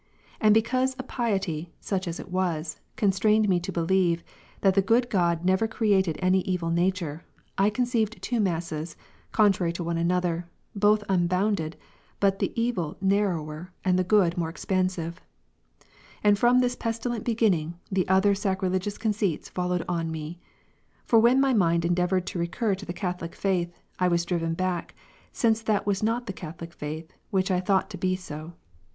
And because a piety, such as it was, constrained me to believe, that the good God never created any evil nature, I conceived two masses, con trary to one another, both unbounded, but the evil narrower^, the good moreexpansive. And from thispestilent beginning, the other sacrilegious conceits followed on me. For when my mind endeavoured to recur to the Catholic faith, I was driven back, since that was not the Catholic faith, which I thought to be so.